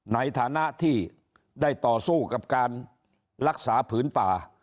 ในฐานะที่ได้ต่อสู้กับการรักษาผืนป่า